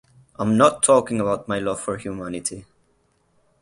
I’m not talking about my love for humanity.